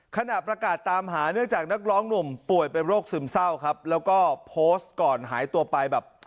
ขณะประกาศตามหาเนื่องจากนักร้องหนุ่มป่วยเป็นโรคซึมเศร้าครับแล้วก็โพสต์ก่อนหายตัวไปแบบ